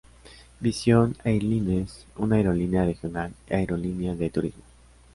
Vision Airlines, una aerolínea regional y aerolínea de turismo.